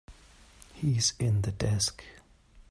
He's in the desk.